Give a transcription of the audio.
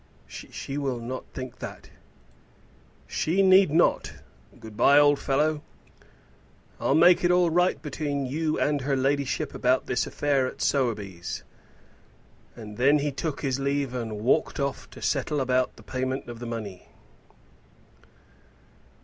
"She will not think that." "She need not; good bye, old fellow. I'll make it all right between you and her ladyship about this affair of Sowerby's." And then he took his leave and walked off to settle about the payment of the money.